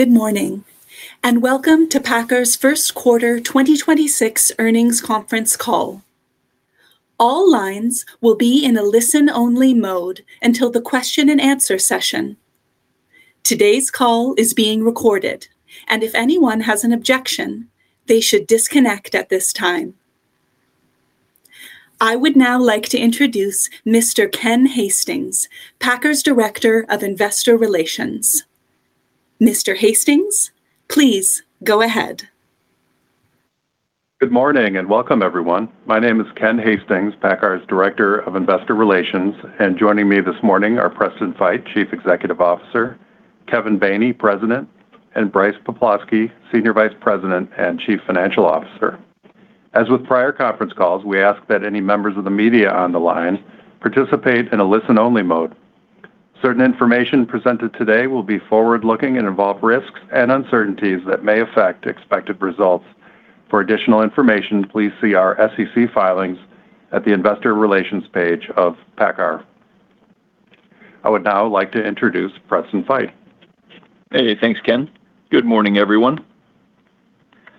Good morning, welcome to PACCAR's first quarter 2026 earnings conference call. All lines will be in a listen-only mode until the question-and-answer session. Today's call is being recorded. If anyone has an objection, they should disconnect at this time. I would now like to introduce Mr. Ken Hastings, PACCAR's Director of Investor Relations. Mr. Hastings, please go ahead. Good morning and welcome everyone. My name is Ken Hastings, PACCAR's Director of Investor Relations, and joining me this morning are Preston Feight, Chief Executive Officer, Kevin Baney, President, and Brice Poplawski, Senior Vice President and Chief Financial Officer. As with prior conference calls, we ask that any members of the media on the line participate in a listen only mode. Certain information presented today will be forward-looking and involve risks and uncertainties that may affect expected results. For additional information, please see our SEC filings at the investor relations page of PACCAR. I would now like to introduce Preston Feight. Hey, thanks Ken. Good morning everyone.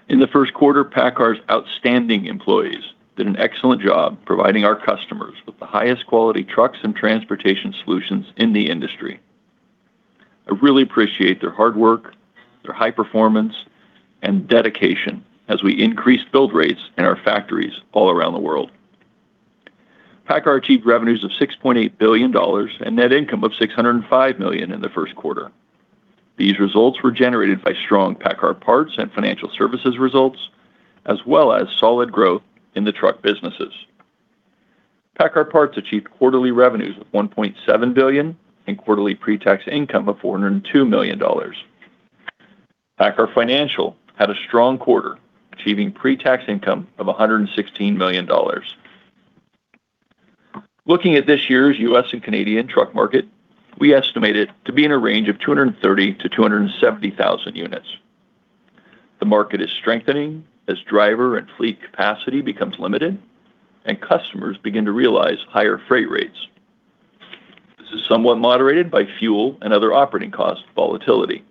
In the first quarter, PACCAR's outstanding employees did an excellent job providing our customers with the highest quality trucks and transportation solutions in the industry. I really appreciate their hard work, their high performance and dedication as we increase build rates in our factories all around the world. PACCAR achieved revenues of $6.8 billion and net income of $605 million in the first quarter. These results were generated by strong PACCAR Parts and Financial Services results, as well as solid growth in the truck businesses. PACCAR Parts achieved quarterly revenues of $1.7 billion and quarterly pre-tax income of $402 million. PACCAR Financial had a strong quarter, achieving pre-tax income of $116 million. Looking at this year's U.S. and Canadian truck market, we estimate it to be in a range of 230,000-270,000 units. The market is strengthening as driver and fleet capacity becomes limited and customers begin to realize higher freight rates. This is somewhat moderated by fuel and other operating cost volatility.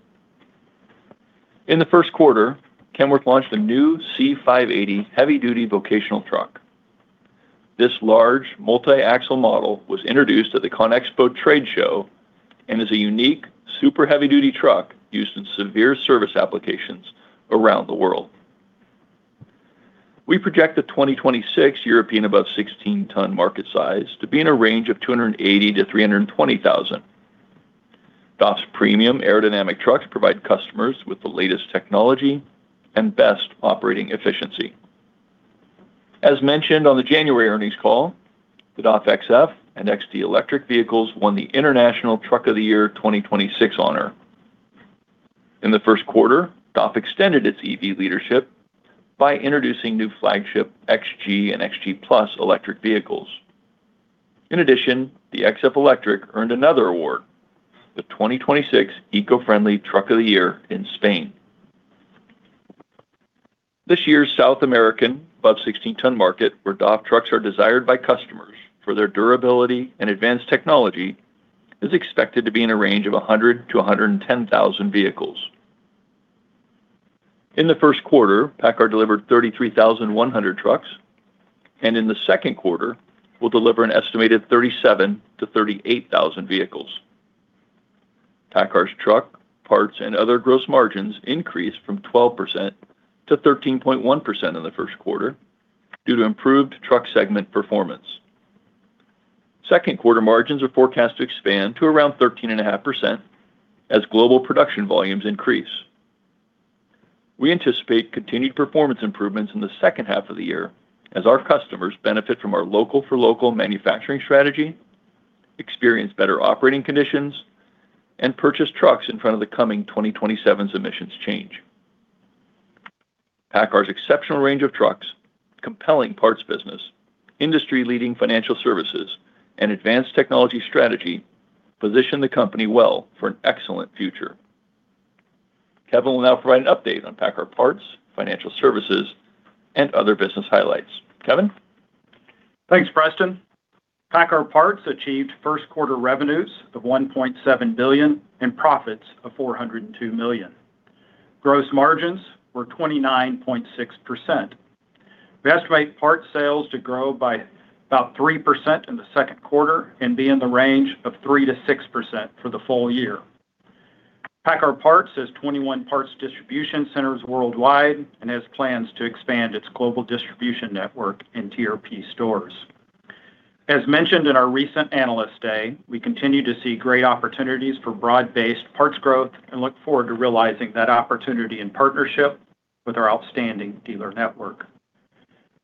In the first quarter, Kenworth launched a new C580 heavy-duty vocational truck. This large multi-axle model was introduced at the CONEXPO trade show and is a unique super heavy-duty truck used in severe service applications around the world. We project the 2026 European above 16 ton market size to be in a range of 280,000-320,000. DAF's premium aerodynamic trucks provide customers with the latest technology and best operating efficiency. As mentioned on the January earnings call, the DAF XF and XD electric vehicles won the International Truck of the Year 2026 honor. In the first quarter, DAF extended its EV leadership by introducing new flagship XG and XG+ Electric vehicles. In addition, the XF Electric earned another award, the 2026 Eco-Friendly Truck of the Year in Spain. This year's South American above 16 ton market, where DAF trucks are desired by customers for their durability and advanced technology, is expected to be in a range of 100,000-110,000 vehicles. In the first quarter, PACCAR delivered 33,100 trucks, and in the second quarter will deliver an estimated 37,000-38,000 vehicles. PACCAR's truck, parts and other gross margins increased from 12%-13.1% in the first quarter due to improved truck segment performance. Second quarter margins are forecast to expand to around 13.5% as global production volumes increase. We anticipate continued performance improvements in the second half of the year as our customers benefit from our local for local manufacturing strategy, experience better operating conditions and purchase trucks in front of the coming 2027's emissions change. PACCAR's exceptional range of trucks, compelling parts business, industry-leading financial services and advanced technology strategy position the company well for an excellent future. Kevin will now provide an update on PACCAR Parts, financial services and other business highlights. Kevin? Thanks, Preston. PACCAR Parts achieved first quarter revenues of $1.7 billion and profits of $402 million. Gross margins were 29.6%. We estimate parts sales to grow by about 3% in the second quarter and be in the range of 3%-6% for the full year. PACCAR Parts has 21 parts distribution centers worldwide and has plans to expand its global distribution network in TRP stores. As mentioned in our recent Analyst Day, we continue to see great opportunities for broad-based parts growth and look forward to realizing that opportunity in partnership with our outstanding dealer network.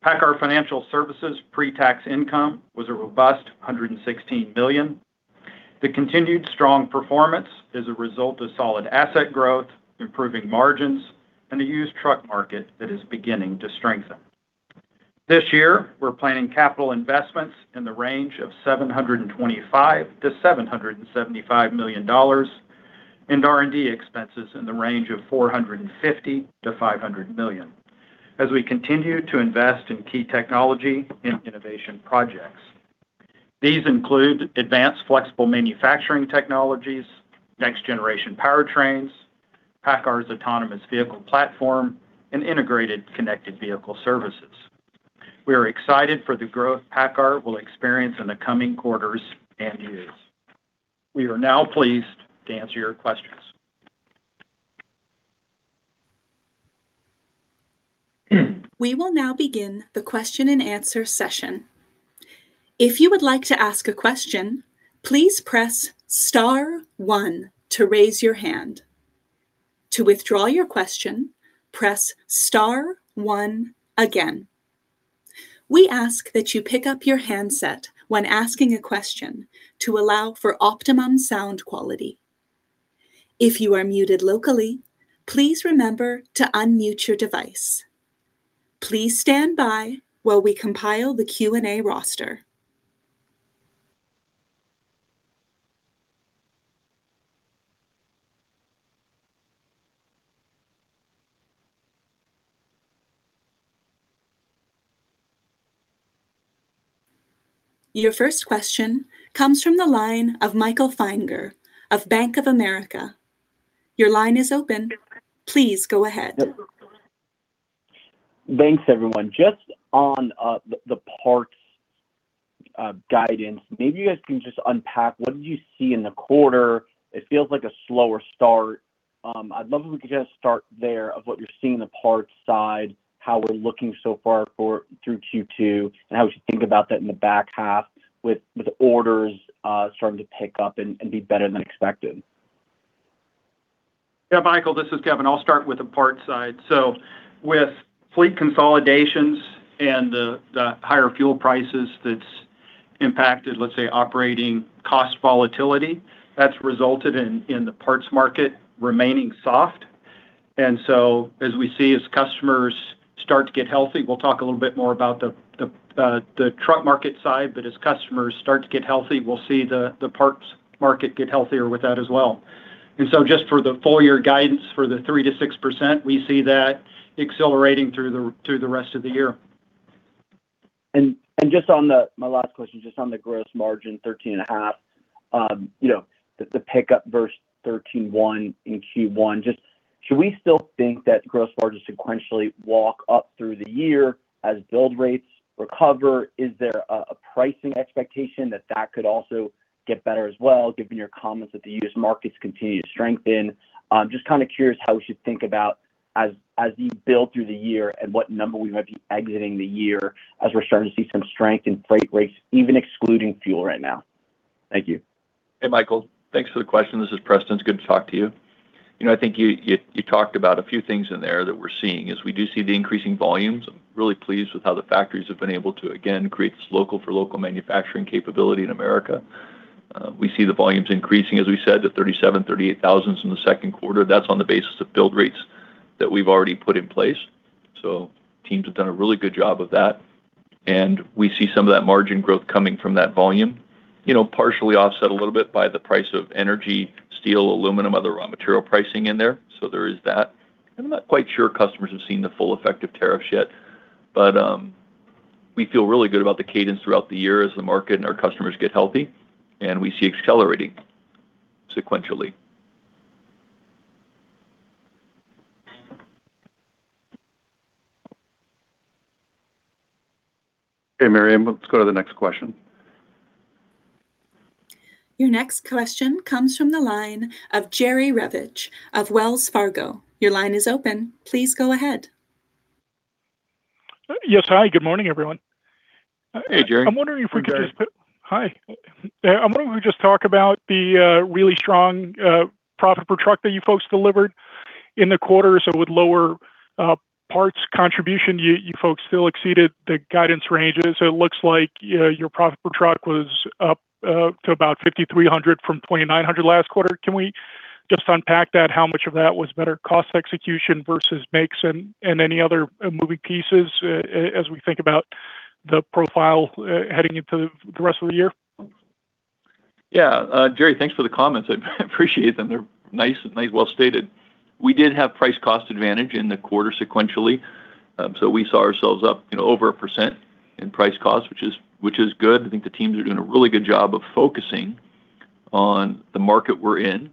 PACCAR Financial Services pre-tax income was a robust $116 million. The continued strong performance is a result of solid asset growth, improving margins and a used truck market that is beginning to strengthen. This year, we're planning capital investments in the range of $725 million-$775 million and R&D expenses in the range of $450 million-$500 million as we continue to invest in key technology and innovation projects. These include advanced flexible manufacturing technologies, next generation powertrains, PACCAR's autonomous vehicle platform, and integrated connected vehicle services. We are excited for the growth PACCAR will experience in the coming quarters and years. We are now pleased to answer your questions. We will now begin the question-and-answer session. If you would like to ask a question, please press star one to raise your hand. To withdraw your question, press star one again. We ask that you pick up your handset when asking a question to allow for optimum sound quality. If you are muted locally, please remember to unmute your device. Please stand by while we compile the Q&A roster. Your first question comes from the line of Michael Feniger of Bank of America. Your line is open. Please go ahead. Thanks, everyone. Just on the parts guidance, maybe you guys can just unpack what did you see in the quarter? It feels like a slower start. I'd love if we could just start there of what you're seeing in the parts side, how we're looking so far through Q2, and how we should think about that in the back half with orders starting to pick up and be better than expected. Yeah, Michael, this is Kevin. I'll start with the parts side. With fleet consolidations and the higher fuel prices that's impacted, let's say, operating cost volatility, that's resulted in the parts market remaining soft. As customers start to get healthy, we'll talk a little bit more about the truck market side. As customers start to get healthy, we'll see the parts market get healthier with that as well. Just for the full year guidance for the 3%-6%, we see that accelerating through the rest of the year. Just on my last question, just on the gross margin, 13.5%, the pickup versus 13.1% in Q1, should we still think that gross margins sequentially walk up through the year as build rates recover? Is there a pricing expectation that that could also get better as well, given your comments that the used markets continue to strengthen? Just kind of curious how we should think about as you build through the year and what number we might be exiting the year as we're starting to see some strength in freight rates, even excluding fuel right now. Thank you. Hey, Michael. Thanks for the question. This is Preston. It's good to talk to you. You know, I think you talked about a few things in there that we're seeing, is we do see the increasing volumes. I'm really pleased with how the factories have been able to, again, create this local for local manufacturing capability in America. We see the volumes increasing, as we said, to 37,000-38,000 in the second quarter. That's on the basis of build rates that we've already put in place. Teams have done a really good job of that, and we see some of that margin growth coming from that volume. You know, partially offset a little bit by the price of energy, steel, aluminum, other raw material pricing in there, so there is that. I'm not quite sure customers have seen the full effect of tariffs yet. We feel really good about the cadence throughout the year as the market and our customers get healthy, and we see accelerating sequentially. Okay, Miriam, let's go to the next question. Your next question comes from the line of Jerry Revich of Wells Fargo. Your line is open. Please go ahead. Yes. Hi, good morning, everyone. Hey, Jerry. I'm wondering if we could. Hey, Jerry. Hi. I'm wondering if we could just talk about the really strong profit per truck that you folks delivered in the quarter. With lower parts contribution, you folks still exceeded the guidance ranges. It looks like, you know, your profit per truck was up to about $5,300 from $2,900 last quarter. Can we just unpack that, how much of that was better cost execution versus makes and any other moving pieces as we think about the profile heading into the rest of the year? Jerry, thanks for the comments. I appreciate them. They're nice and well stated. We did have price cost advantage in the quarter sequentially. We saw ourselves up, you know, over 1% in price cost, which is good. I think the teams are doing a really good job of focusing on the market we're in,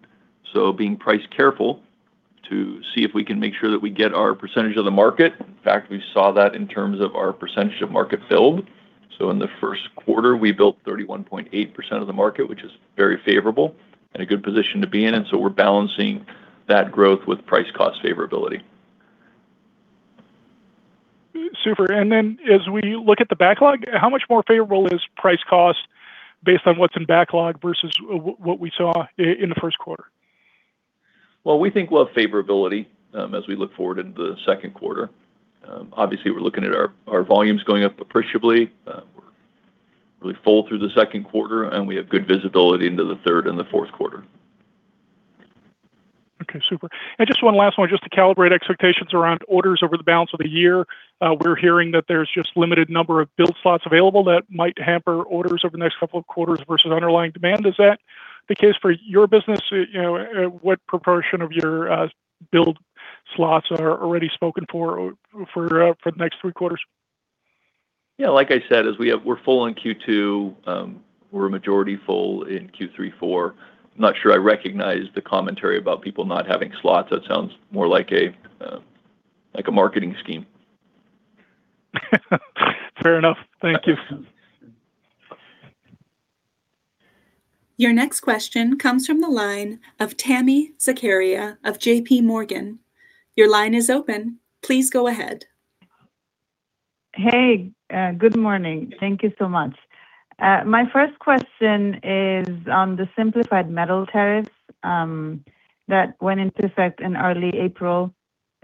so being price careful to see if we can make sure that we get our percentage of the market. In fact, we saw that in terms of our percentage of market build. In the first quarter, we built 31.8% of the market, which is very favorable and a good position to be in. We're balancing that growth with price cost favorability. Super. As we look at the backlog, how much more favorable is price cost based on what's in backlog versus what we saw in the first quarter? We think we'll have favorability, as we look forward into the second quarter. We're looking at our volumes going up appreciably. We're really full through the second quarter, and we have good visibility into the third and the fourth quarter. Okay. Super. Just one last one just to calibrate expectations around orders over the balance of the year. We're hearing that there's just limited number of build slots available that might hamper orders over the next couple of quarters versus underlying demand. Is that the case for your business? You know, what proportion of your slots are already spoken for for the next three quarters? Yeah, like I said, we're full on Q2. We're majority full in Q3, Q4. Not sure I recognize the commentary about people not having slots. That sounds more like a marketing scheme. Fair enough. Thank you. Your next question comes from the line of Tami Zakaria of JPMorgan. Your line is open. Please go ahead. Hey. Good morning. Thank you so much. My first question is on the simplified metal tariffs that went into effect in early April.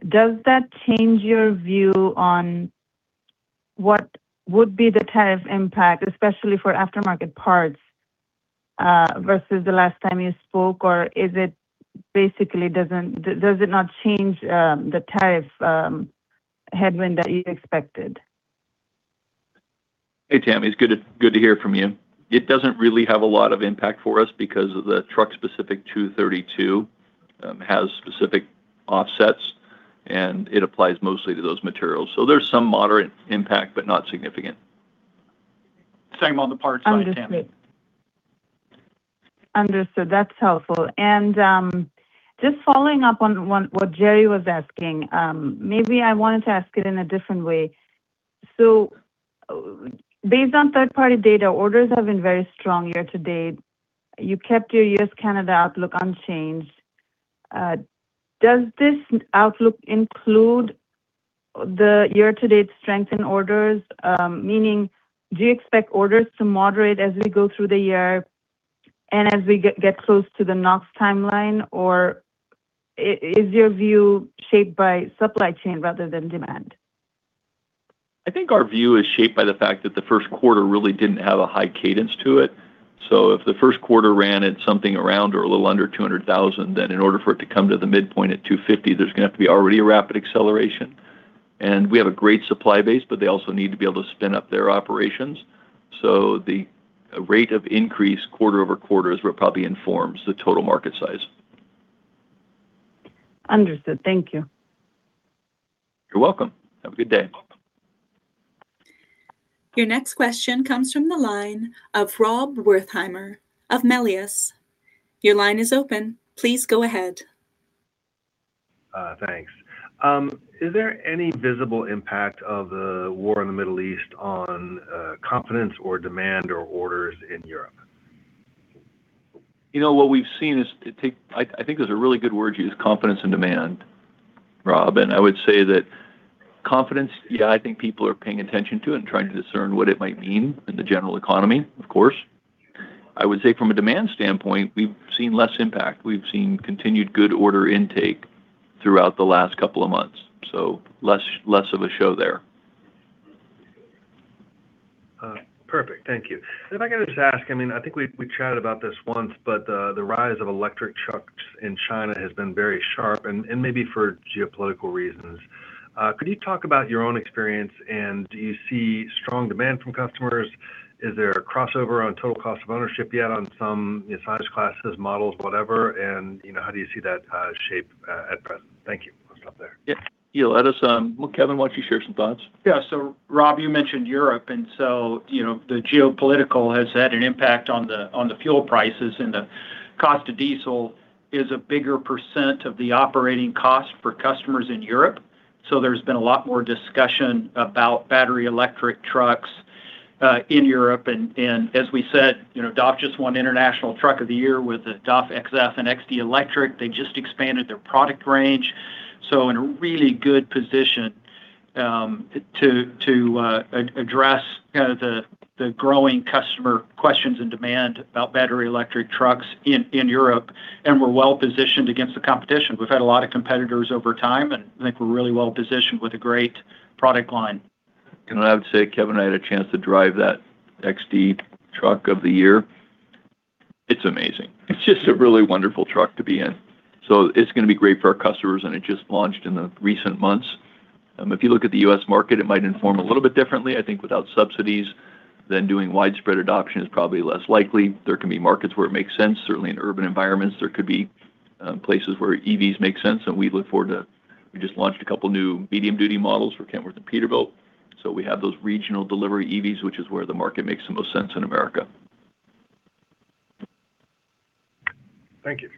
Does that change your view on what would be the tariff impact, especially for aftermarket parts, versus the last time you spoke, or is it basically does it not change the tariff headwind that you expected? Hey, Tami. It's good to hear from you. It doesn't really have a lot of impact for us because of the truck-specific Section 232 has specific offsets, and it applies mostly to those materials. There's some moderate impact, but not significant. Same on the parts side, Tami. Understood. Understood. That's helpful. Just following up on what Jerry was asking, maybe I wanted to ask it in a different way. Based on third-party data, orders have been very strong year to date. You kept your U.S.-Canada outlook unchanged. Does this outlook include the year to date strength in orders? Meaning do you expect orders to moderate as we go through the year and as we get close to the NOx timeline, or is your view shaped by supply chain rather than demand? I think our view is shaped by the fact that the first quarter really didn't have a high cadence to it. If the first quarter ran at something around or a little under 200,000, then in order for it to come to the midpoint at 250,000, there's gonna have to be already a rapid acceleration. We have a great supply base, but they also need to be able to spin up their operations. The rate of increase quarter-over-quarter is where it probably informs the total market size. Understood. Thank you. You're welcome. Have a good day. Your next question comes from the line of Rob Wertheimer of Melius. Your line is open. Please go ahead. Thanks. Is there any visible impact of the war in the Middle East on confidence or demand or orders in Europe? You know, what we've seen is I think those are really good words you used, confidence and demand, Rob. I would say that confidence, yeah, I think people are paying attention to and trying to discern what it might mean in the general economy, of course. I would say from a demand standpoint, we've seen less impact. We've seen continued good order intake throughout the last couple of months, so less of a show there. Perfect. Thank you. If I could just ask, I mean, I think we chatted about this once, but the rise of electric trucks in China has been very sharp and maybe for geopolitical reasons. Could you talk about your own experience, and do you see strong demand from customers? Is there a crossover on total cost of ownership yet on some, you know, size classes, models, whatever, and, you know, how do you see that shape at present? Thank you. I'll stop there. Yeah. Well, Kevin, why don't you share some thoughts? Rob, you mentioned Europe, you know, the geopolitical has had an impact on the fuel prices and the cost of diesel is a bigger percent of the operating cost for customers in Europe. There's been a lot more discussion about battery electric trucks in Europe, and as we said, you know, DAF just won International Truck of the Year with the DAF XF and XD Electric. They just expanded their product range, in a really good position to address, you know, the growing customer questions and demand about battery electric trucks in Europe, and we're well-positioned against the competition. We've had a lot of competitors over time, I think we're really well-positioned with a great product line. I would say, Kevin and I had a chance to drive that XD Truck of the Year. It's amazing. It's just a really wonderful truck to be in. It's gonna be great for our customers, and it just launched in the recent months. If you look at the U.S. market, it might inform a little bit differently. I think without subsidies, then doing widespread adoption is probably less likely. There can be markets where it makes sense. Certainly in urban environments, there could be places where EVs make sense. We just launched a couple new medium-duty models for Kenworth and Peterbilt. We have those regional delivery EVs, which is where the market makes the most sense in America. Thank you.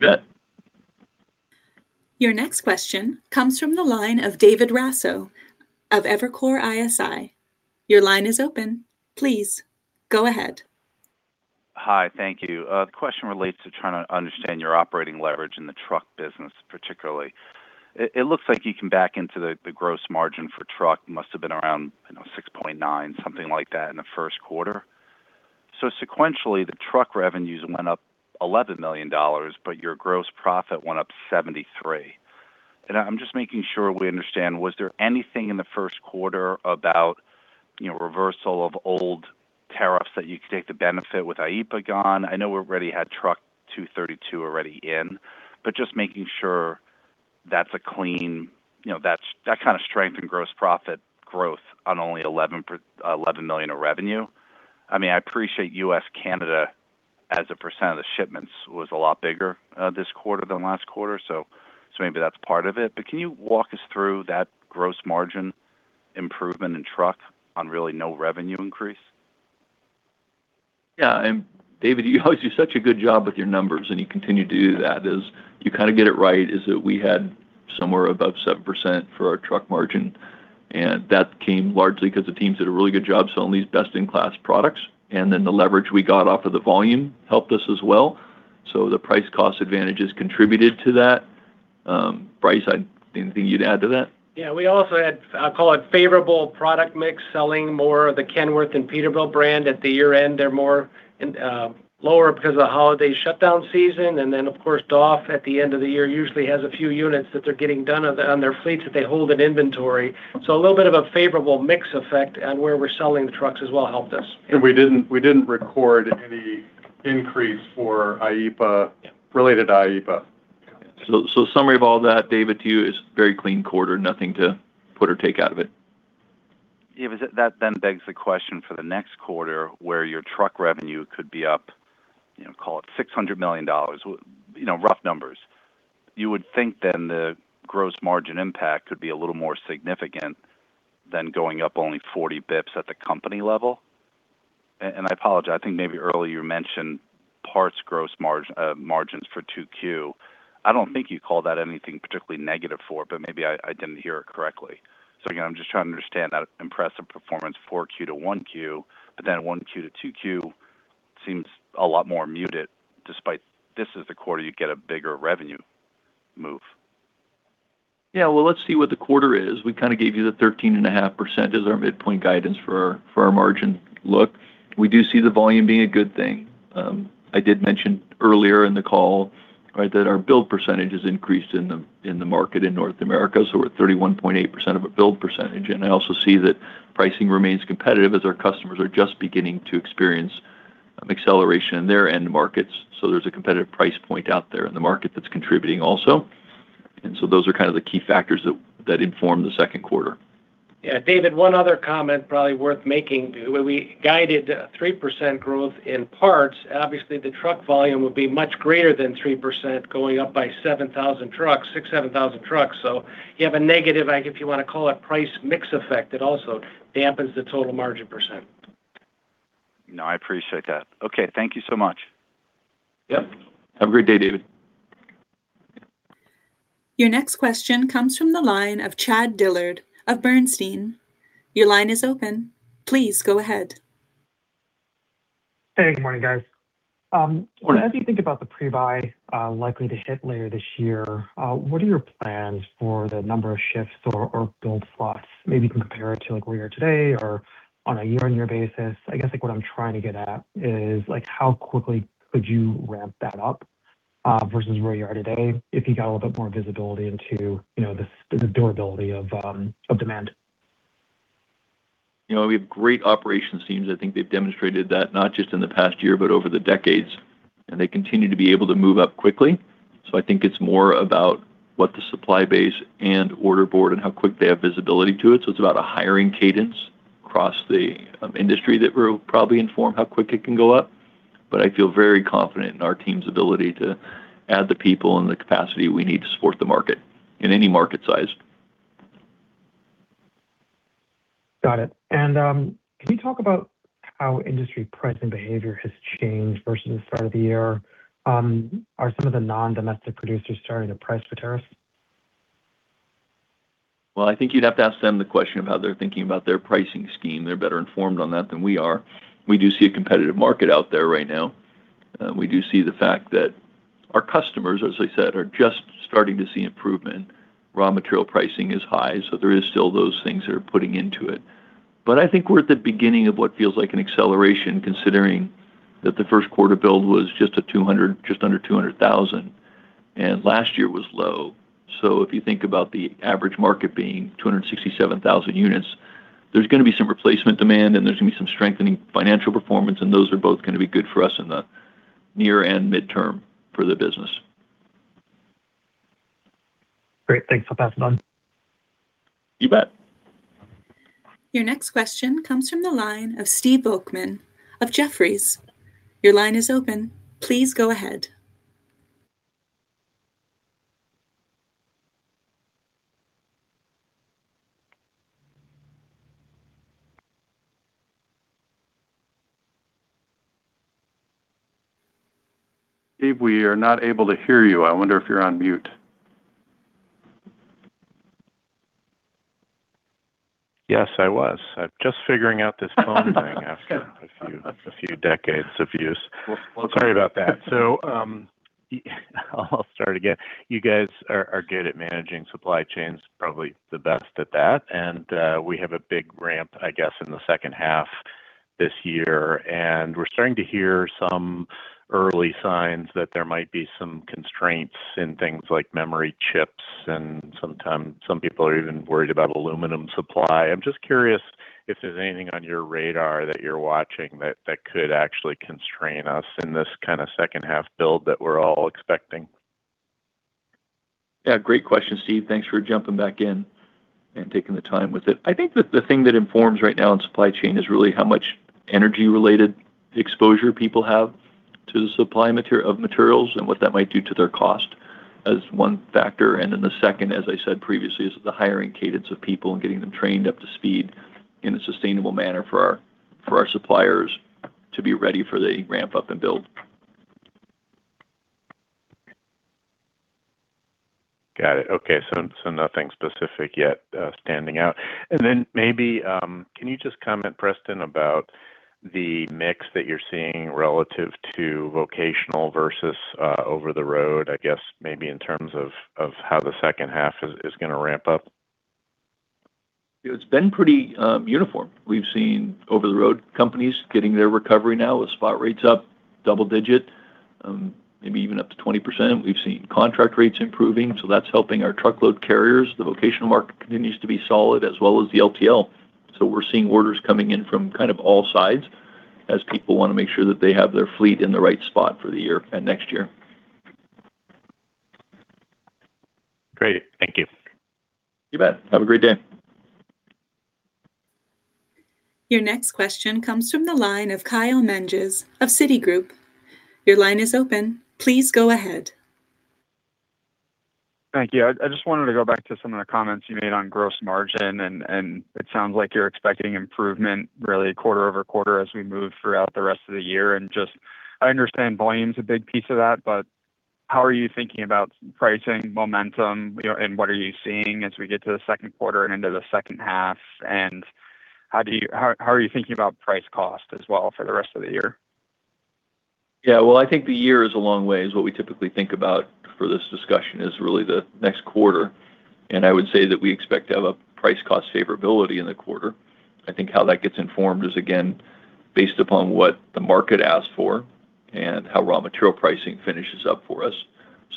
You bet. Your next question comes from the line of David Raso of Evercore ISI. Your line is open. Please go ahead. Hi. Thank you. The question relates to trying to understand your operating leverage in the truck business particularly. It looks like you can back into the gross margin for truck. Must have been around, you know, 6.9%, something like that in the first quarter. Sequentially, the truck revenues went up $11 million, but your gross profit went up $73 million. I am just making sure we understand, was there anything in the first quarter about, you know, reversal of old tariffs that you could take the benefit with IEEPA gone? I know we already had Section 232 already in, just making sure that's a clean. You know, that kind of strength in gross profit growth on only $11 million of revenue. I mean, I appreciate U.S.-Canada as a percentage of the shipments was a lot bigger this quarter than last quarter, so maybe that's part of it. Can you walk us through that gross margin improvement in truck on really no revenue increase? Yeah. David, you always do such a good job with your numbers, and you continue to do that, is you kind of get it right, is that we had somewhere above 7% for our truck margin. That came largely because the teams did a really good job selling these best-in-class products. The leverage we got off of the volume helped us as well. The price-cost advantages contributed to that. Brice, anything you'd add to that? Yeah. We also had, I'll call it favorable product mix, selling more of the Kenworth and Peterbilt brand at the year-end. They're more in lower because of the holiday shutdown season. Of course, DAF at the end of the year usually has a few units that they're getting done on their fleets that they hold in inventory. A little bit of a favorable mix effect on where we're selling the trucks as well helped us. We didn't record any increase for IEEPA, related to IEEPA. Summary of all that, David, to you, is very clean quarter. Nothing to put or take out of it. Yeah. That then begs the question for the next quarter where your truck revenue could be up, you know, call it $600 million. You know, rough numbers. You would think then the gross margin impact would be a little more significant than going up only 40 basis points at the company level. I apologize, I think maybe earlier you mentioned parts gross margins for 2Q. I don't think you called that anything particularly negative for, but maybe I didn't hear it correctly. Again, I'm just trying to understand that impressive performance 4Q to 1Q, but then 1Q to 2Q seems a lot more muted despite this is the quarter you get a bigger revenue move. Let's see what the quarter is. We kind of gave you the 13.5% as our midpoint guidance for our margin look. We do see the volume being a good thing. I did mention earlier in the call, right, that our build percentage has increased in the market in North America, so we're at 31.8% of a build percentage. I also see that pricing remains competitive as our customers are just beginning to experience acceleration in their end markets. There's a competitive price point out there in the market that's contributing also. Those are kind of the key factors that inform the second quarter. Yeah. David, one other comment probably worth making. We guided 3% growth in parts. Obviously, the truck volume would be much greater than 3% going up by 7,000 trucks, 6,000-7,000 trucks. You have a negative, if you wanna call it, price mix effect that also dampens the total margin percent. No, I appreciate that. Okay, thank you so much. Yep. Have a great day, David. Your next question comes from the line of Chad Dillard of Bernstein. Your line is open. Please go ahead. Hey, good morning, guys. Good morning. As you think about the pre-buy, likely to hit later this year, what are your plans for the number of shifts or build slots? Maybe you can compare it to, like, where you are today or on a year-on-year basis. I guess, like, what I'm trying to get at is, like, how quickly could you ramp that up versus where you are today if you got a little bit more visibility into, you know, the durability of demand? You know, we have great operations teams. I think they've demonstrated that not just in the past year, but over the decades, and they continue to be able to move up quickly. I think it's more about what the supply base and order board and how quick they have visibility to it. It's about a hiring cadence across the industry that will probably inform how quick it can go up. I feel very confident in our team's ability to add the people and the capacity we need to support the market in any market size. Got it. Can you talk about how industry pricing behavior has changed versus the start of the year? Are some of the non-domestic producers starting to price for tariffs? Well, I think you'd have to ask them the question of how they're thinking about their pricing scheme. They're better informed on that than we are. We do see a competitive market out there right now. We do see the fact that our customers, as I said, are just starting to see improvement. Raw material pricing is high, so there is still those things that are putting into it. I think we're at the beginning of what feels like an acceleration, considering that the first quarter build was just a 200,000, just under 200,000, and last year was low. If you think about the average market being 267,000 units, there's gonna be some replacement demand and there's gonna be some strengthening financial performance, and those are both gonna be good for us in the near and midterm for the business. Great. Thanks for passing it on. You bet. Your next question comes from the line of Steve Volkmann of Jefferies. Your line is open. Please go ahead. Steve, we are not able to hear you. I wonder if you're on mute. Yes, I was. I'm just figuring out this phone thing after a few decades of use. Sorry about that. I'll start again. You guys are good at managing supply chains, probably the best at that. We have a big ramp, I guess, in the second half this year. We're starting to hear some early signs that there might be some constraints in things like memory chips and sometimes some people are even worried about aluminum supply. I'm just curious if there's anything on your radar that you're watching that could actually constrain us in this kind of second half build that we're all expecting. Yeah, great question, Steve. Thanks for jumping back in and taking the time with it. I think that the thing that informs right now in supply chain is really how much energy-related exposure people have to the supply of materials and what that might do to their cost is one factor. The second, as I said previously, is the hiring cadence of people and getting them trained up to speed in a sustainable manner for our suppliers to be ready for the ramp up and build. Got it. Okay, so nothing specific yet, standing out. Maybe, can you just comment, Preston, about the mix that you're seeing relative to vocational versus over the road, I guess maybe in terms of how the second half is gonna ramp up? You know, it's been pretty uniform. We've seen over the road companies getting their recovery now with spot rates up double-digit, maybe even up to 20%. We've seen contract rates improving, that's helping our truckload carriers. The vocational market continues to be solid as well as the LTL. We're seeing orders coming in from kind of all sides as people want to make sure that they have their fleet in the right spot for the year and next year. Great. Thank you. You bet. Have a great day. Your next question comes from the line of Kyle Menges of Citigroup. Your line is open. Please go ahead. Thank you. I just wanted to go back to some of the comments you made on gross margin and it sounds like you're expecting improvement really quarter-over-quarter as we move throughout the rest of the year. Just I understand volume's a big piece of that, but how are you thinking about pricing momentum, you know, and what are you seeing as we get to the second quarter and into the second half? How are you thinking about price cost as well for the rest of the year? Yeah. Well, I think the year is a long way, is what we typically think about for this discussion is really the next quarter, and I would say that we expect to have a price cost favorability in the quarter. I think how that gets informed is, again, based upon what the market asks for and how raw material pricing finishes up for us.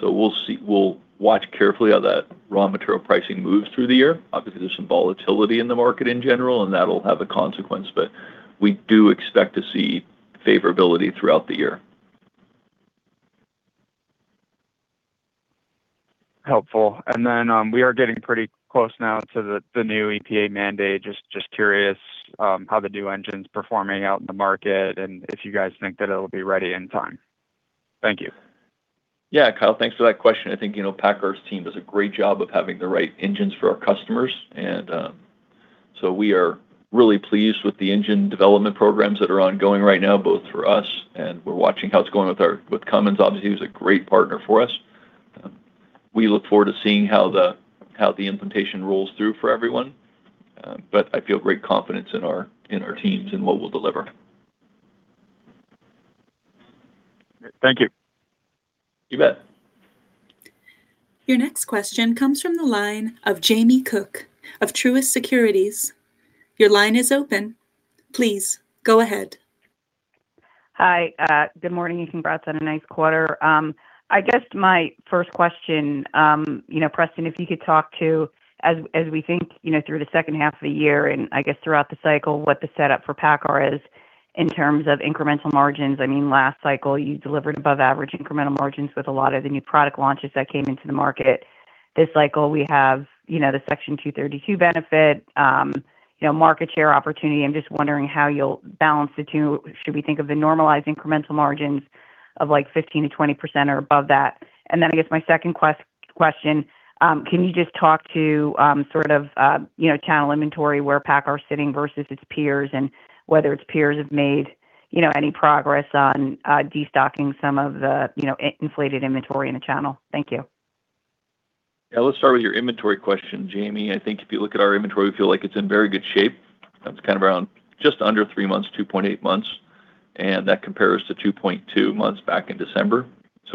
We'll see. We'll watch carefully how that raw material pricing moves through the year. Obviously, there's some volatility in the market in general, and that'll have a consequence, but we do expect to see favorability throughout the year. Helpful. We are getting pretty close now to the new EPA mandate. Just curious how the new engine's performing out in the market and if you guys think that it'll be ready in time. Thank you. Yeah, Kyle, thanks for that question. I think, you know, PACCAR's team does a great job of having the right engines for our customers, and we are really pleased with the engine development programs that are ongoing right now, both for us, and we're watching how it's going with Cummins. Obviously, he was a great partner for us. We look forward to seeing how the implementation rolls through for everyone. I feel great confidence in our teams and what we'll deliver. Thank you. You bet. Your next question comes from the line of Jamie Cook of Truist Securities. Your line is open. Please go ahead. Hi. Good morning. Congratulations on a nice quarter. I guess my first question, you know, Preston, if you could talk to as we think, you know, through the second half of the year and I guess throughout the cycle, what the setup for PACCAR is in terms of incremental margins. I mean, last cycle you delivered above average incremental margins with a lot of the new product launches that came into the market. This cycle we have, you know, the Section 232 benefit, you know, market share opportunity. I'm just wondering how you'll balance the two. Should we think of the normalized incremental margins of like 15%-20% or above that? I guess my second question, can you just talk to sort of, you know, channel inventory where PACCAR is sitting versus its peers and whether its peers have made, you know, any progress on destocking some of the, you know, inflated inventory in the channel? Thank you. Let's start with your inventory question, Jamie. I think if you look at our inventory, we feel like it's in very good shape. It's kind of around just under three months, two point eight months, and that compares to two point two months back in December.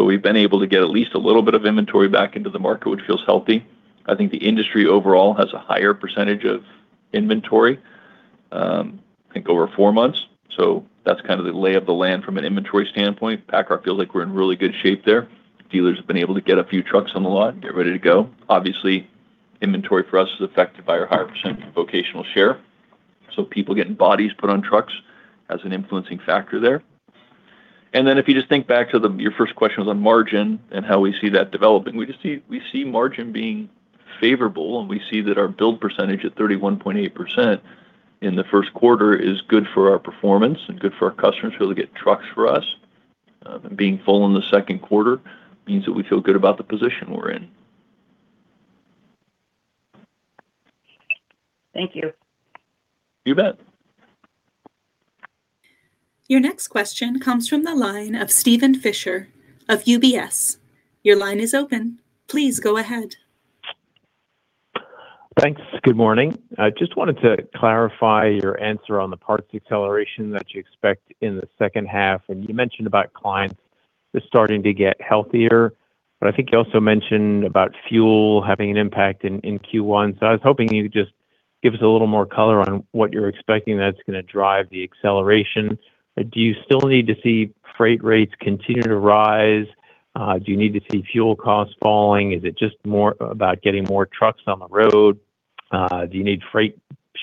We've been able to get at least a little bit of inventory back into the market, which feels healthy. I think the industry overall has a higher percentage of inventory, I think over four months, that's kind of the lay of the land from an inventory standpoint. PACCAR feels like we're in really good shape there. Dealers have been able to get a few trucks on the lot and get ready to go. Obviously, inventory for us is affected by our higher percent vocational share, people getting bodies put on trucks as an influencing factor there. If you just think back to your first question was on margin and how we see that developing. We see margin being favorable, and we see that our build percentage at 31.8% in the first quarter is good for our performance and good for our customers to be able to get trucks for us. Being full in the second quarter means that we feel good about the position we're in. Thank you. You bet. Your next question comes from the line of Steven Fisher of UBS. Your line is open. Please go ahead. Thanks. Good morning. I just wanted to clarify your answer on the parts acceleration that you expect in the second half. You mentioned about clients just starting to get healthier, but I think you also mentioned about fuel having an impact in Q1. I was hoping you could just give us a little more color on what you're expecting that's going to drive the acceleration. Do you still need to see freight rates continue to rise? Do you need to see fuel costs falling? Is it just more about getting more trucks on the road? Do you need freight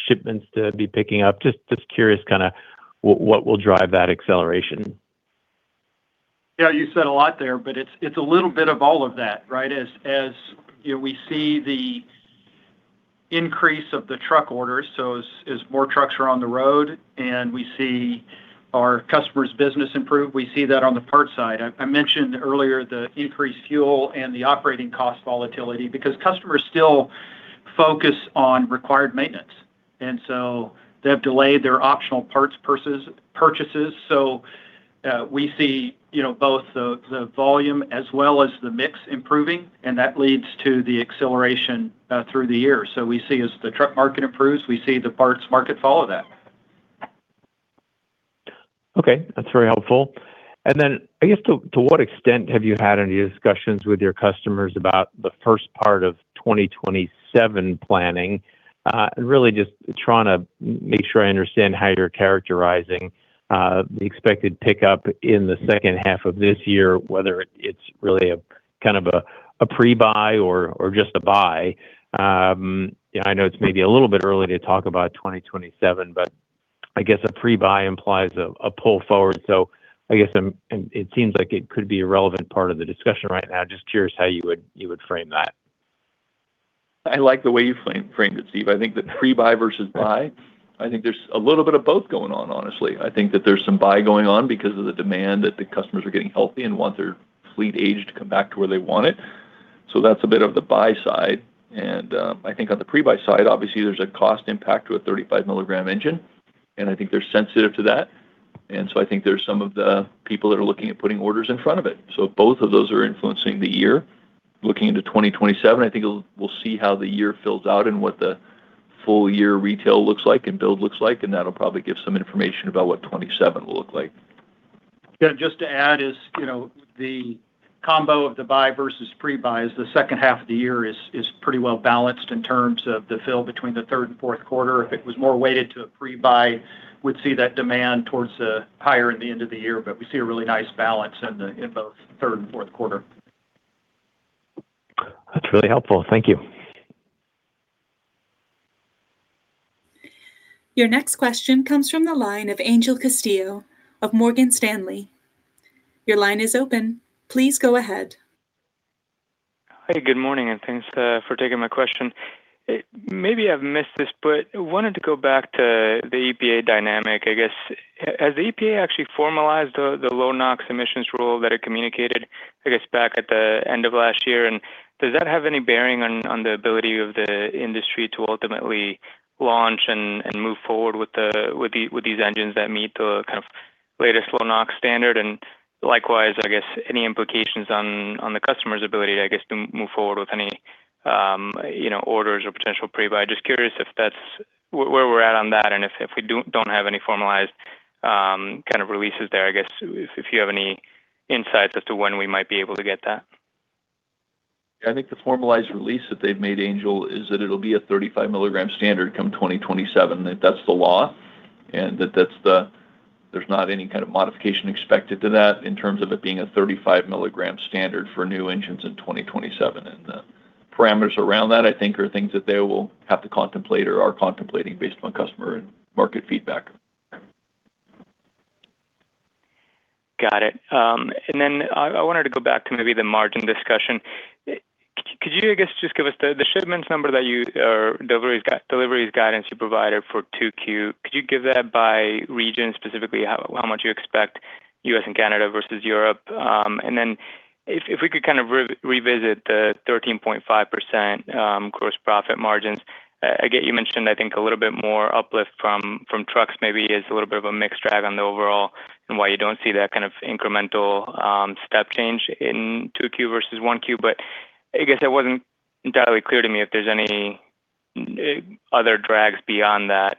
shipments to be picking up? Just curious kind of what will drive that acceleration. Yeah, you said a lot there, it's a little bit of all of that, right? As, you know, we see the increase of the truck orders, as more trucks are on the road and we see our customers' business improve, we see that on the parts side. I mentioned earlier the increased fuel and the operating cost volatility because customers still focus on required maintenance. They have delayed their optional parts purchases. We see, you know, both the volume as well as the mix improving, that leads to the acceleration through the year. We see as the truck market improves, we see the parts market follow that. Okay. That's very helpful. Then I guess to what extent have you had any discussions with your customers about the first part of 2027 planning? Really just trying to make sure I understand how you're characterizing the expected pickup in the second half of this year, whether it's really a, kind of a pre-buy or just a buy. Yeah, I know it's maybe a little bit early to talk about 2027, but I guess a pre-buy implies a pull forward. I guess, and it seems like it could be a relevant part of the discussion right now. Just curious how you would frame that. I like the way you frame it, Steve. I think that pre-buy versus buy, I think there's a little bit of both going on, honestly. I think that there's some buy going on because of the demand that the customers are getting healthy and want their fleet age to come back to where they want it. That's a bit of the buy side. I think on the pre-buy side, obviously, there's a cost impact to a 35 milligram engine, and I think they're sensitive to that. I think there's some of the people that are looking at putting orders in front of it. Both of those are influencing the year. Looking into 2027, I think we'll see how the year fills out and what the full year retail looks like and build looks like, and that'll probably give some information about what 2027 will look like. Yeah, just to add is, you know, the combo of the buy versus pre-buy is the second half of the year is pretty well balanced in terms of the fill between the third and fourth quarter. If it was more weighted to a pre-buy, we'd see that demand towards the higher in the end of the year. We see a really nice balance in both third and fourth quarter. That's really helpful. Thank you. Your next question comes from the line of Angel Castillo of Morgan Stanley. Your line is open. Please go ahead. Hi, good morning, and thanks for taking my question. Maybe I've missed this, wanted to go back to the EPA dynamic, I guess. Has EPA actually formalized the low-NOx emissions rule that it communicated, I guess, back at the end of last year? Does that have any bearing on the ability of the industry to ultimately launch and move forward with these engines that meet the kind of latest low-NOx standard? Likewise, I guess, any implications on the customer's ability, I guess, to move forward with any, you know, orders or potential pre-buy? Just curious if that's where we're at on that, and if we don't have any formalized kind of releases there. I guess if you have any insights as to when we might be able to get that. I think the formalized release that they've made, Angel, is that it will be a 35 milligram standard come 2027. That's the law, and there's not any kind of modification expected to that in terms of it being a 35 milligram standard for new engines in 2027. The parameters around that, I think, are things that they will have to contemplate or are contemplating based on customer and market feedback. Got it. I wanted to go back to maybe the margin discussion. Could you, I guess, just give us the shipments number that you or deliveries guidance you provided for 2Q? Could you give that by region, specifically how much you expect U.S. and Canada versus Europe? If we could kind of revisit the 13.5% gross profit margins. I get you mentioned, I think, a little bit more uplift from trucks maybe is a little bit of a mix drag on the overall and why you don't see that kind of incremental step change in 2Q versus 1Q. I guess it wasn't entirely clear to me if there's any other drags beyond that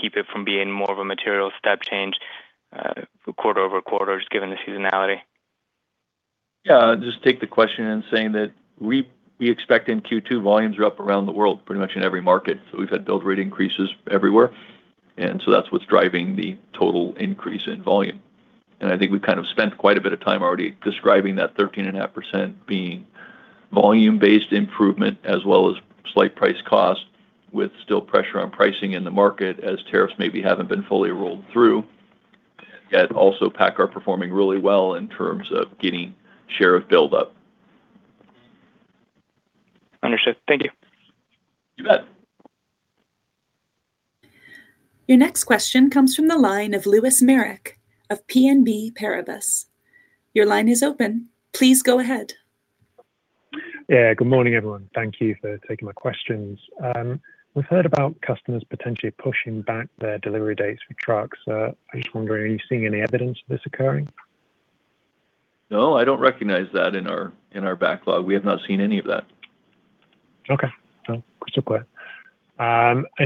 keep it from being more of a material step change, quarter-over-quarter just given the seasonality. Yeah. Just take the question in saying that we expect in Q2 volumes are up around the world, pretty much in every market. We've had build rate increases everywhere, that's what's driving the total increase in volume. I think we've kind of spent quite a bit of time already describing that 13.5% being volume-based improvement as well as slight price cost with still pressure on pricing in the market as tariffs maybe haven't been fully rolled through. Yet also PACCAR performing really well in terms of getting share of build up. Understood. Thank you. You bet. Your next question comes from the line of Lewis Merrick of BNP Paribas. Your line is open. Please go ahead. Good morning, everyone. Thank you for taking my questions. We've heard about customers potentially pushing back their delivery dates for trucks. I'm just wondering, are you seeing any evidence of this occurring? No, I don't recognize that in our backlog. We have not seen any of that. Okay. No. Crystal clear.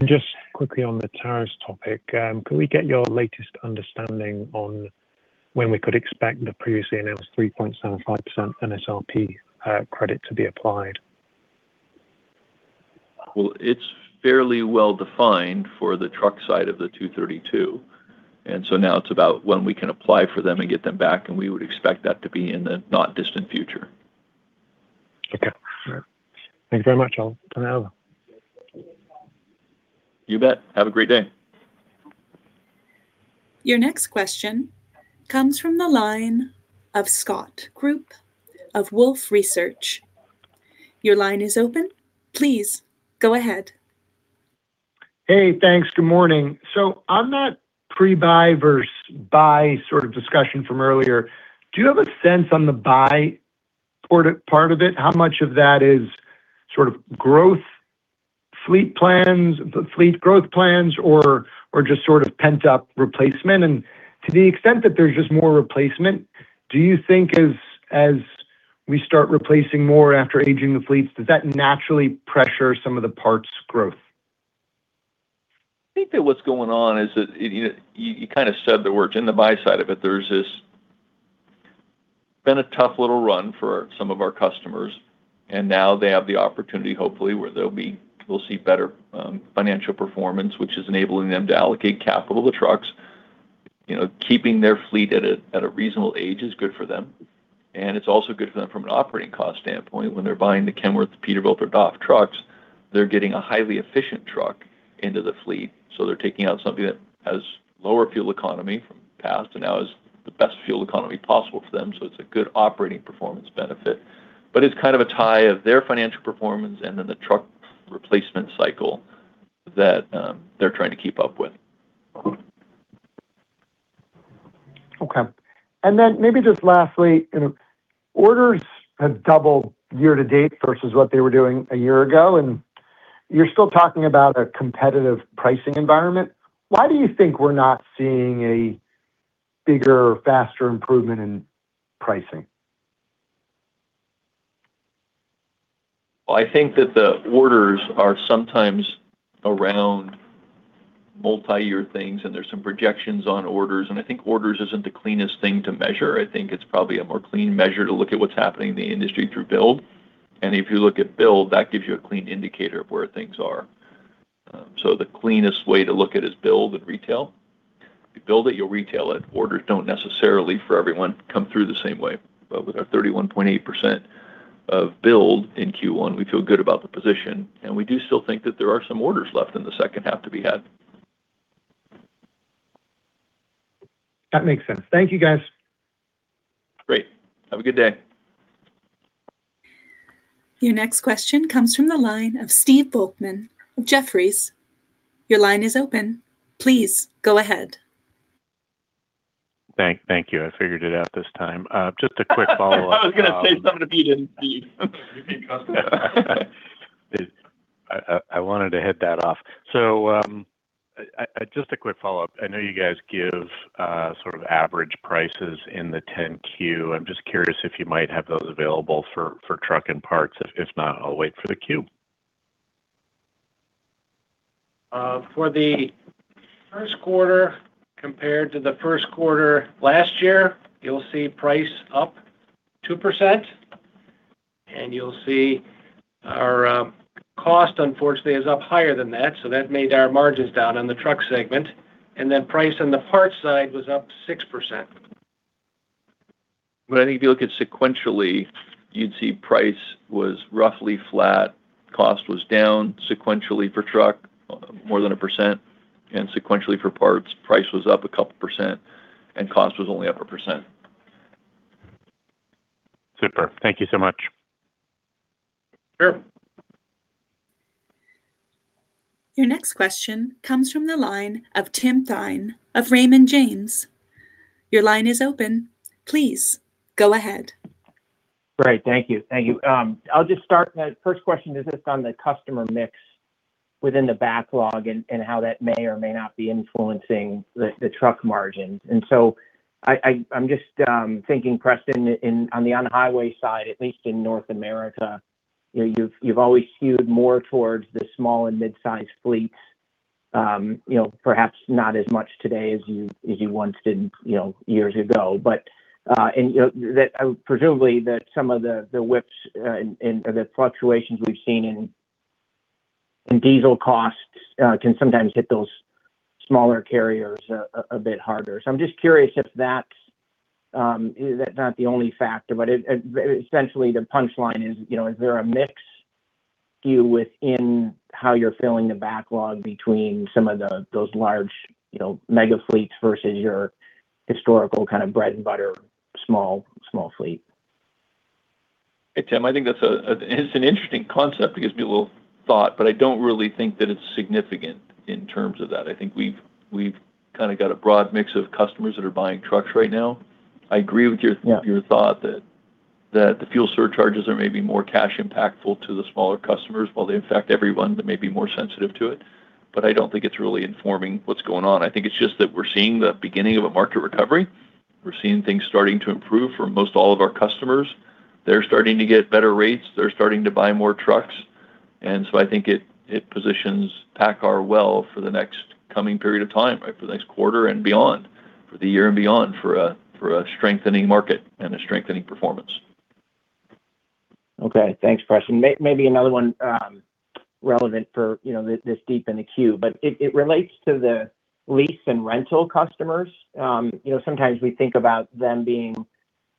Just quickly on the tariffs topic, could we get your latest understanding on when we could expect the previously announced 3.75% in SRP credit to be applied? Well, it's fairly well-defined for the truck side of the Section 232, and so now it's about when we can apply for them and get them back, and we would expect that to be in the not distant future. All right. Thank you very much. I'll turn it over. You bet. Have a great day. Your next question comes from the line of Scott Group of Wolfe Research. Your line is open. Please, go ahead. Hey, thanks. Good morning. On that pre-buy versus buy sort of discussion from earlier, do you have a sense on the buy sort of part of it, how much of that is sort of growth, fleet plans, fleet growth plans, or just sort of pent-up replacement? To the extent that there's just more replacement, do you think as we start replacing more after aging the fleets, does that naturally pressure some of the parts growth? I think that what's going on is that, you kind of said the words. In the buy side of it there's been a tough little run for some of our customers, now they have the opportunity, hopefully, where they'll be, we'll see better financial performance, which is enabling them to allocate capital to trucks. You know, keeping their fleet at a reasonable age is good for them, it's also good for them from an operating cost standpoint. When they're buying the Kenworth, Peterbilt, or DAF trucks, they're getting a highly efficient truck into the fleet, they're taking out something that has lower fuel economy from past now is the best fuel economy possible for them, it's a good operating performance benefit. It's kind of a tie of their financial performance and then the truck replacement cycle that they're trying to keep up with. Okay. Maybe just lastly, you know, orders have doubled year to date versus what they were doing a year ago, and you're still talking about a competitive pricing environment. Why do you think we're not seeing a bigger, faster improvement in pricing? I think that the orders are sometimes around multi-year things, and there's some projections on orders, and I think orders isn't the cleanest thing to measure. I think it's probably a more clean measure to look at what's happening in the industry through build. If you look at build, that gives you a clean indicator of where things are. The cleanest way to look at is build and retail. If you build it, you'll retail it. Orders don't necessarily, for everyone, come through the same way. With our 31.8% of build in Q1, we feel good about the position, and we do still think that there are some orders left in the second half to be had. That makes sense. Thank you, guys. Great. Have a good day. Your next question comes from the line of Steve Volkmann of Jefferies. Your line is open. Please, go ahead. Thank you. I figured it out this time. Just a quick follow-up. I was gonna say, someone beat him, Steve. You beat cousin Steve. I wanted to head that off. Just a quick follow-up. I know you guys give sort of average prices in the 10-Q. I'm just curious if you might have those available for truck and parts. If not, I'll wait for the 10-Q. For the first quarter compared to the first quarter last year, you'll see price up 2%, and you'll see our cost unfortunately is up higher than that, so that made our margins down on the truck segment. Price on the parts side was up 6%. I think if you look at sequentially, you'd see price was roughly flat. Cost was down sequentially for truck more than 1%, and sequentially for parts, price was up 2% and cost was only up 1%. Super. Thank you so much. Sure. Your next question comes from the line of Tim Thein of Raymond James. Your line is open. Please, go ahead. Great. Thank you. Thank you. I'll just start. The first question is just on the customer mix within the backlog and how that may or may not be influencing the truck margins. I'm just thinking, Preston, on the on-highway side, at least in North America, you know, you've always skewed more towards the small and midsize fleets. You know, perhaps not as much today as you once did, you know, years ago. You know, that, presumably that some of the whips, and, or the fluctuations we've seen in diesel costs, can sometimes hit those smaller carriers a bit harder. I'm just curious if that's not the only factor, but, essentially the punchline is, you know, is there a mix here within how you're filling the backlog between some of the, those large, you know, mega fleets versus your historical kind of bread and butter small fleet? Hey, Tim. I think it's an interesting concept. It gives me a little thought, but I don't really think that it's significant in terms of that. I think we've kind of got a broad mix of customers that are buying trucks right now. I agree with your. Yeah Your thought that the fuel surcharges are maybe more cash impactful to the smaller customers. While they affect everyone, they may be more sensitive to it. I don't think it's really informing what's going on. I think it's just that we're seeing the beginning of a market recovery. We're seeing things starting to improve for most all of our customers. They're starting to get better rates. They're starting to buy more trucks. I think it positions PACCAR well for the next coming period of time, right. For the next quarter and beyond, for the year and beyond, for a strengthening market and a strengthening performance. Okay. Thanks, Preston. Maybe another one, relevant for, you know, this deep in the queue, but it relates to the lease and rental customers. You know, sometimes we think about them being,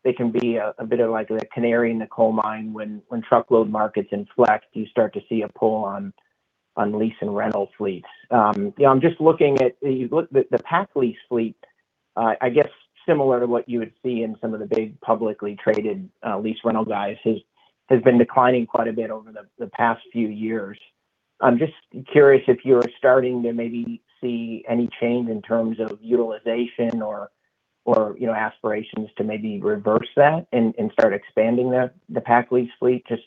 they can be a bit of like the canary in the coal mine when truckload markets inflect, you start to see a pull on lease and rental fleets. You know, I'm just looking at the PacLease fleet, I guess similar to what you would see in some of the big publicly traded lease rental guys, has been declining quite a bit over the past few years. I'm just curious if you're starting to maybe see any change in terms of utilization or, you know, aspirations to maybe reverse that and start expanding the PacLease fleet. Just,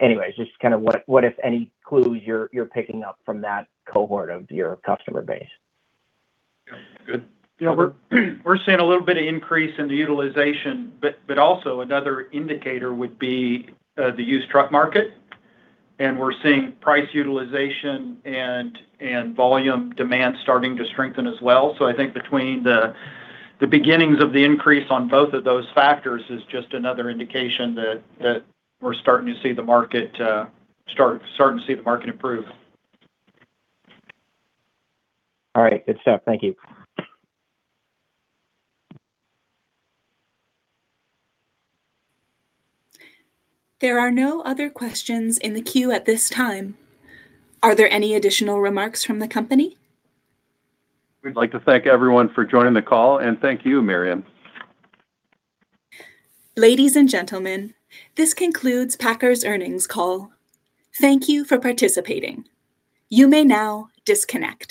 anyways, just kind of what, if any, clues you're picking up from that cohort of your customer base? Yeah. Good. You know, we're seeing a little bit of increase in the utilization. Also another indicator would be the used truck market, and we're seeing price utilization and volume demand starting to strengthen as well. I think between the beginnings of the increase on both of those factors is just another indication that we're starting to see the market improve. All right. Good stuff. Thank you. There are no other questions in the queue at this time. Are there any additional remarks from the company? We'd like to thank everyone for joining the call, and thank you, Miriam. Ladies and gentlemen, this concludes PACCAR's earnings call. Thank you for participating. You may now disconnect.